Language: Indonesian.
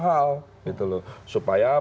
hal gitu loh supaya